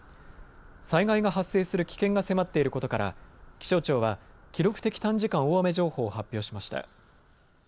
災害が発生する危険が迫っていることから気象庁は記録的短時間大雨情報を発表しました。